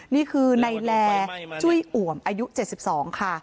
นี่คือในแลร์จุ้ยอ่วมอายุเจ็ดสิบสองค่ะ